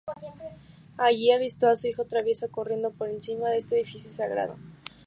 Allí avistó a su hijo travieso corriendo por encima de este edificio sagrado.